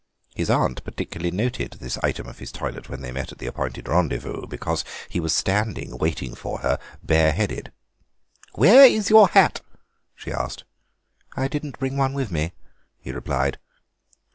His aunt particularly noted this item of his toilet when they met at the appointed rendezvous, because he was standing waiting for her bareheaded. "Where is your hat?" she asked. "I didn't bring one with me," he replied.